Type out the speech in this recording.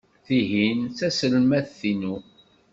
Tihin d taselmadt-inu.